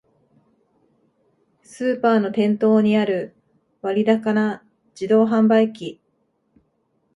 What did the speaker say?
スーパーの店頭にある割高な自動販売機